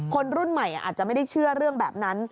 คนรุ่นใหม่อาจจะไม่ได้เชื่อเรื่องแบบนั้น